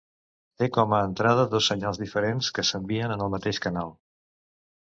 Té com a entrada dos senyals diferents que s'envien en el mateix canal.